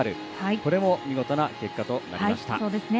これも見事な結果となりました。